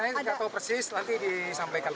tadi saya nggak tahu persis nanti disampaikan pak